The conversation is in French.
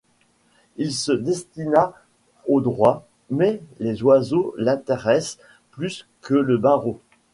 Il se destinait au droit, mais les oiseaux l'intéressent plus que le barreau.